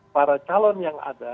para calon yang ada